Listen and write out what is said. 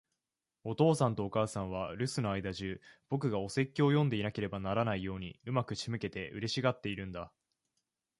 お父さんとお母さんは、留守の間じゅう、僕がお説教を読んでいなければならないように上手く仕向けて、嬉しがっているんだ。